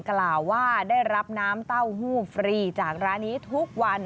กล่าวว่าได้รับน้ำเต้าหู้ฟรีจากร้านนี้ทุกวัน